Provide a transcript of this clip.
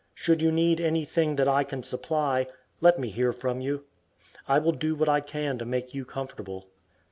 Should you need anything that I can supply, let me hear from you. I will do what I can to make you comfortable.